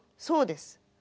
そうです。